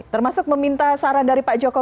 termasuk meminta saran dari pak joko